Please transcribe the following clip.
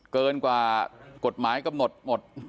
เกินกว่ากฎหมายกำหนดหมด